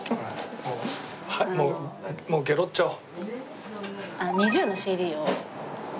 もうゲロっちゃおう。